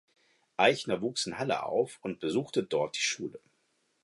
Eichner wuchs in Halle auf und besuchte dort die Schule.